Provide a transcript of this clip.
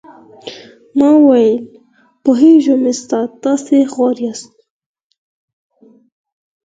ما وويل پوهېږم استاده تاسې غواړاست.